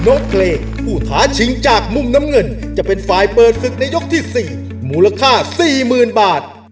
น้องเกรกอุทาชิงจากมุมน้ำเงินจะเป็นฟายเปิดศึกในยกที่สี่หมูราคาสี่หมื่นบาท